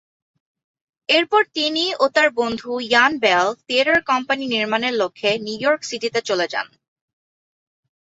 এরপর তিনি ও তার বন্ধু ইয়ান বেল থিয়েটার কোম্পানি নির্মাণের লক্ষ্যে নিউ ইয়র্ক সিটিতে চলে যান।